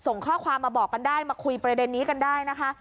ส่งข้อความมาบอกกันได้มาคุยประเด็นนี้กันได้นะคะ